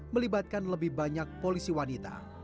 melibatkan lebih banyak polisi wanita